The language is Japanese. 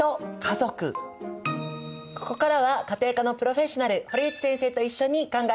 ここからは家庭科のプロフェッショナル堀内先生と一緒に考えていきたいと思います。